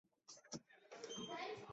数千辽军没有战胜萧海里。